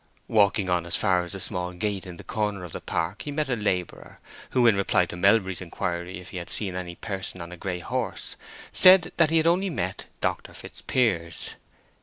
Walking on as far as the small gate in the corner of the park, he met a laborer, who, in reply to Melbury's inquiry if he had seen any person on a gray horse, said that he had only met Dr. Fitzpiers.